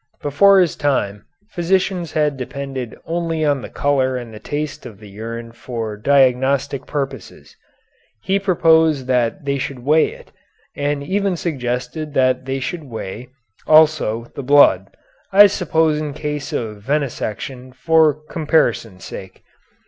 Before his time, physicians had depended only on the color and the taste of the urine for diagnostic purposes. He proposed that they should weigh it, and even suggested that they should weigh, also, the blood, I suppose in case of venesection, for comparison's sake.